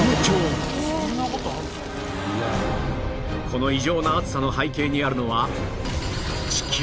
この異常な暑さの背景にあるのは